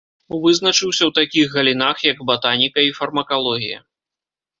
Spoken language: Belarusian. Вызначыўся ў такіх галінах, як батаніка і фармакалогія.